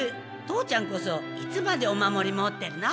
父ちゃんこそいつまでお守り持ってるの。